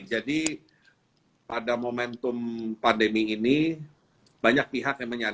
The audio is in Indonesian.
jadi pada momentum pandemi ini banyak pihak yang menyarankan